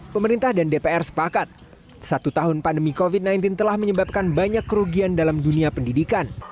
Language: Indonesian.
pemerintah dan dpr sepakat satu tahun pandemi covid sembilan belas telah menyebabkan banyak kerugian dalam dunia pendidikan